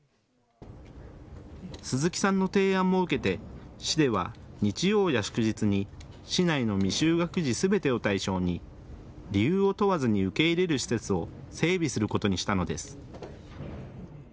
鈴木さんの提案も受けて市では日曜や祝日に市内の未就学児すべてを対象に理由を問わずに受け入れる施設を整備することにしたのです。